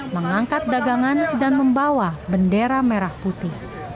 mengangkat dagangan dan membawa bendera merah putih